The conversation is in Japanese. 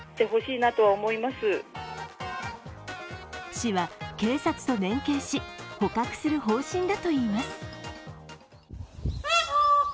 市は、警察と連携し捕獲する方針だといいます。